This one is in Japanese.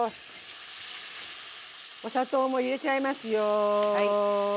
お砂糖も入れちゃいますよ。